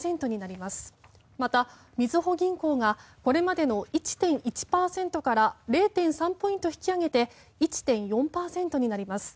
また、みずほ銀行がこれまでの１．１％から０．３ポイント引き上げて１．４％になります。